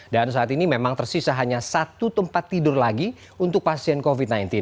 saat ini memang tersisa hanya satu tempat tidur lagi untuk pasien covid sembilan belas